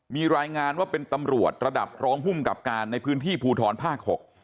มีรายงานว่าเป็นตำรวจระดับรองภูมิกับการในพื้นที่ภูทรภาค๖